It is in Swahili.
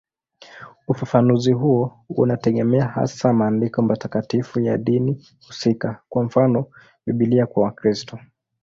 Ufafanuzi huo unategemea hasa maandiko matakatifu ya dini husika, kwa mfano Biblia kwa Wakristo.